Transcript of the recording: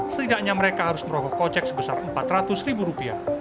setidaknya mereka harus merokok kojek sebesar rp empat ratus